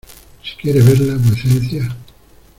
¡ si quiere verla vuecencia!